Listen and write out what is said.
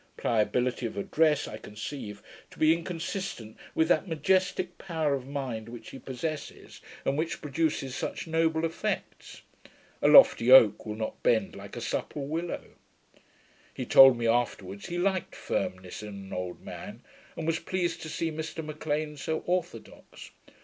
Pliability of address I conceive to be inconsistent with that majestick power of mind which he possesses, and which produces such noble effects. A lofty oak will not bend like a supple willow. He told me afterwards, he liked firmness in an old man, and was pleased to see Mr M'Lean so orthodox.